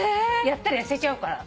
やったら痩せちゃうから。